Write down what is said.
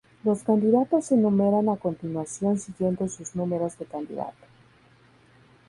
Los candidatos se enumeran a continuación siguiendo sus números de candidato.